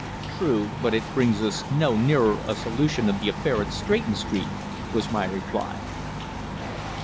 "True, but it brings us no nearer a solution of the affair at Stretton Street," was my reply.